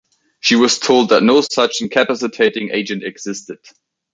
She was told that no such incapacitating agent existed.